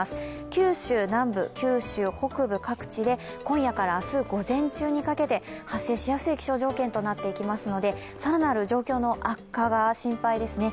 九州南部、九州北部各地で今夜から明日午前中にかけて発生しやすい気象条件となりますので更なる状況の悪化が心配ですね。